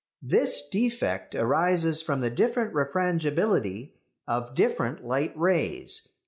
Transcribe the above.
This defect arises from the different refrangibility of different light rays.